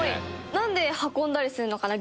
なんで運んだりするのかな？